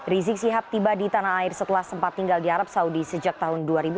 rizik sihab tiba di tanah air setelah sempat tinggal di arab saudi sejak tahun dua ribu